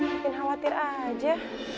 mungkin khawatir aja